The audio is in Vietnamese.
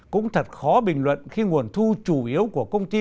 cũng thật khó bình luận khi nguồn thu chủ yếu của công ty